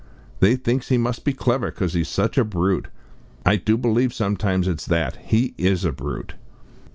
They thinks he must be clever, 'cos he's such a brute. I do believe sometimes it's that. He is a brute!"